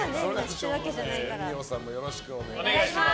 二葉さんもよろしくお願いします。